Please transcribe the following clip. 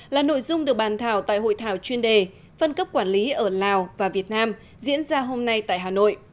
là nội dung được bàn thảo tại hội thảo chuyên đề phân cấp quản lý ở lào và việt nam diễn ra hôm nay tại hà nội